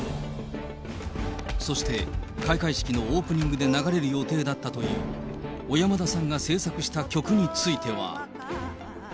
そして、開会式のオープニングで流れる予定だったという小山田さんが制作した曲については。